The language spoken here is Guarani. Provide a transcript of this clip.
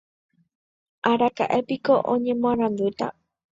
Araka'épiko oñemoarandúta.